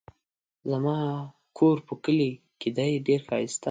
زما کور په کلي کې دی ډېر ښايسته دی